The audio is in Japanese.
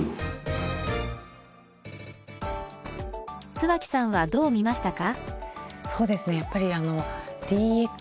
津脇さんはどう見ましたか？